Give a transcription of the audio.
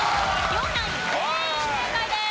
両ナイン全員正解です。